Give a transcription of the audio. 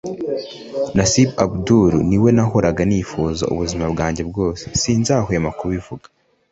Nasib Abdul ni we nahoraga nifuza ubuzima bwanjye bwose sinzahwema kubivuga